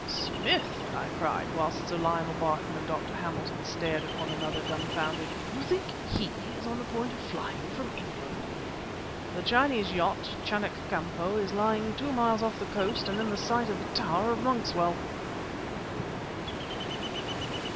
"Smith!" I cried whilst Sir Lionel Barton and Dr. Hamilton stared at one another, dumbfounded "you think he is on the point of flying from England " "The Chinese yacht, Chanak Kampo, is lying two miles off the coast and in the sight of the tower of Monkswell!"